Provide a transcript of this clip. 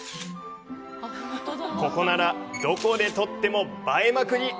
ここならどこで撮っても映えまくり！